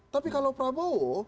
tapi kalau prabowo